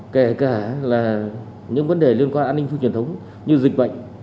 kể cả là những vấn đề liên quan an ninh phi truyền thống như dịch bệnh